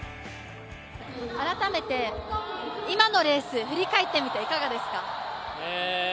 改めて、今のレース、振り返ってみて、いかがですか？